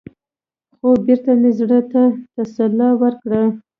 خـو بـېرته مـې زړه تـه تـسلا ورکړه.